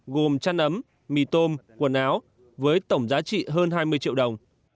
gồm chăn ấm mì tôm quần áo với tổng giá trị hơn hai mươi triệu đồng